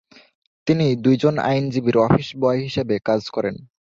তিনি দুইজন আইনজীবীর অফিস বয় হিসেবে কাজ করেন।